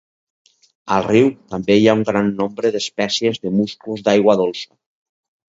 Al riu també hi ha un gran nombre d'espècies de musclos d'aigua dolça.